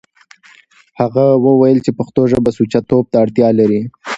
هغه وويل چې پښتو ژبه سوچه توب ته اړتيا لري.